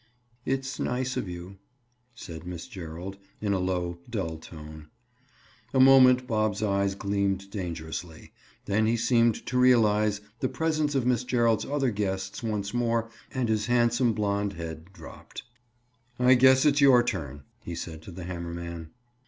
"It's nice of you," said Miss Gerald in a low dull tone. A moment Bob's eyes gleamed dangerously, then he seemed to realize the presence of Miss Gerald's other guests once more and his handsome blond head dropped. "I guess it's your turn," he said to the hammer man.